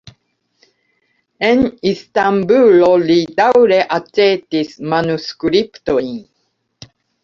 En Istanbulo li daŭre aĉetis manuskriptojn.